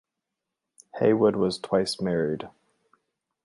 Heywood was twice married.